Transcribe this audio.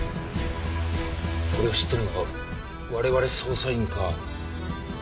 これを知ってるのは我々捜査員か。